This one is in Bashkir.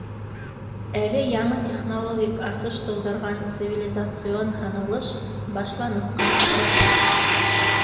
Әле яңы технологик асыш тыуҙырған цивилизацион һынылыш башланып ҡына тора.